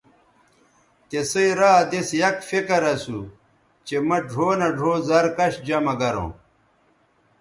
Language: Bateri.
تِسئ را دِس یک فکر اسُو چہء مہ ڙھؤ نہ ڙھؤ زَر کش جمہ گروں